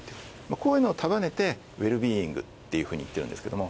こういうのを束ねてＷｅｌｌ−Ｂｅｉｎｇっていうふうにいってるんですけども。